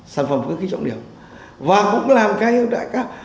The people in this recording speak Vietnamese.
sản phẩm cước khí trọng điểm và cũng làm cái ưu đãi cao